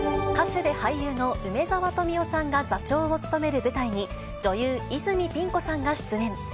歌手で俳優の梅沢富美男さんが座長を務める舞台に、女優、泉ピン子さんが出演。